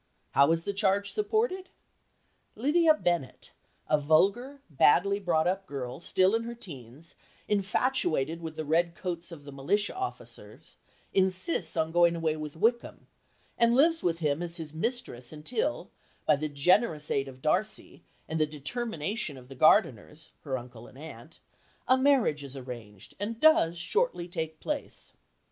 How is the charge supported? Lydia Bennet, a vulgar, badly brought up girl still in her teens, infatuated with the red coats of the militia officers, insists on going away with Wickham, and lives with him as his mistress until, by the generous aid of Darcy, and the determination of the Gardiners her uncle and aunt "a marriage is arranged" and does "shortly take place."